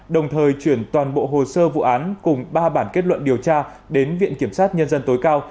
đồng thời chuyển toàn bộ hồ sơ vụ án cùng ba bản kết luận điều tra đến viện kiểm sát nhân dân tối cao